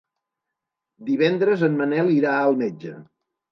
Divendres en Manel irà al metge.